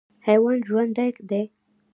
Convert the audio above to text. حیوان ژوندی دی.